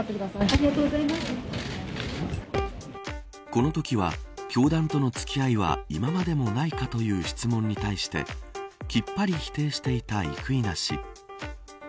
このときは教団との付き合いは今までもないかという質問に対してきっぱり否定していた生稲氏。